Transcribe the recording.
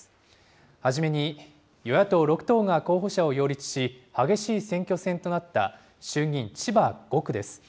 はじめに与野党６党が候補者を擁立し、激しい選挙戦となった衆議院千葉５区です。